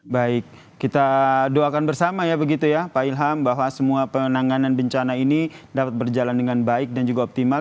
baik kita doakan bersama ya begitu ya pak ilham bahwa semua penanganan bencana ini dapat berjalan dengan baik dan juga optimal